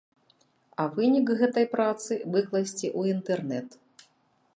А вынік гэтай працы выкласці ў інтэрнет.